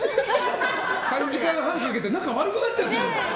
３時間半かけて仲悪くなっちゃった！